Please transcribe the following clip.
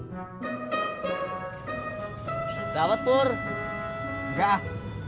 daud pur enggak